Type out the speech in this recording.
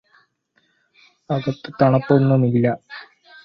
അകത്ത് തണുപ്പൊന്നുമില്ലാ